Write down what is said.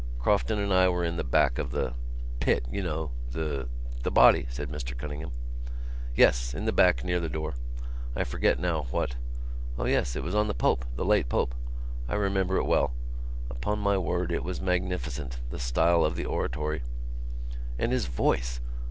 Crofton and I were in the back of the ... pit, you know ... the——" "The body," said Mr Cunningham. "Yes, in the back near the door. I forget now what.... O yes, it was on the Pope, the late Pope. I remember it well. Upon my word it was magnificent, the style of the oratory. And his voice!